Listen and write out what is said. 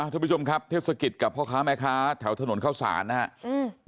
ท่านผู้ชมครับเทศกิจกับพ่อค้าแม่ค้าแถวถนนเข้าสารนะครับ